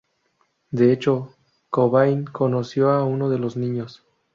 De hecho, Cobain conoció a uno de los niños.